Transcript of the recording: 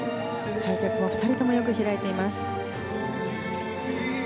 開脚も２人ともよく開いています。